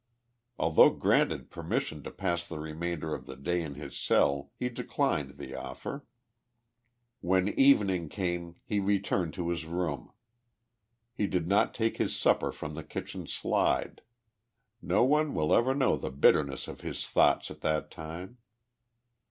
Although granted permission to pass the remainder of the day in his cell he declined the offer. 1\'hen evening came he returned to his room. He did not take his supper from the kitchen slide. Xo one will ever know the bitterness of ins thoughts at that time.